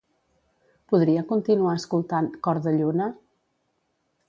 Podria continuar escoltant "Cordelluna"?